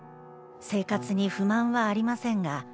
「生活に不満はありませんが」